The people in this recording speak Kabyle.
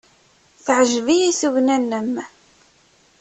Teɛjeb-iyi tugna-nnem.